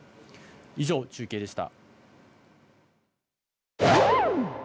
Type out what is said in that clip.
以上、中継でした。